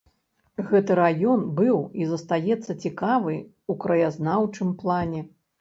Гэты раён быў і застаецца цікавы ў краязнаўчым плане.